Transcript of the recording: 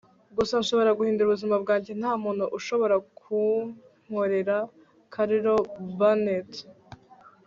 gusa nshobora guhindura ubuzima bwanjye. nta muntu ushobora kunkorera. - carol burnett